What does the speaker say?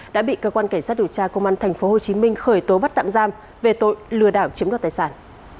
đã bị cơ quan cảnh sát điều tra công an tp hcm khởi tố bắt tạm giam về tội lừa đảo chiếm đoạt tài sản